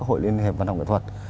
hội liên hiệp văn học nghệ thuật